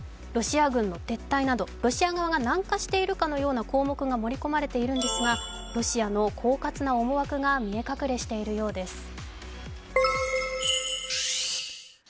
ロシア軍の撤退など、ロシア側が軟化しているかのような項目が盛り込まれているんですがロシアの狡猾な思惑が見え隠れしているようです。